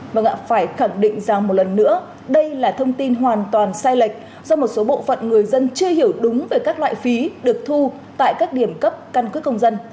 vâng ạ phải khẳng định rằng một lần nữa đây là thông tin hoàn toàn sai lệch do một số bộ phận người dân chưa hiểu đúng về các loại phí được thu tại các điểm cấp căn cước công dân